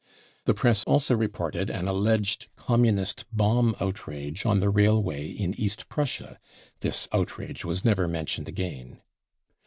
55 The Press also reported an alleged Communist bomb outrage on the railway in East Prussia (this outrage r was never mentioned again